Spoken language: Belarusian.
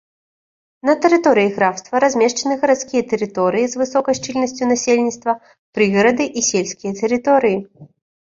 На тэрыторыі графства размешчаны гарадскія тэрыторыі з высокай шчыльнасцю насельніцтва, прыгарады і сельскія тэрыторыі.